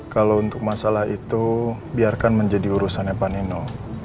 kalau untuk masalah itu biarkan menjadi urusannya pak nino